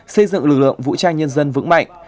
xây dựng lực lượng vũ trang nhân dân vững mạnh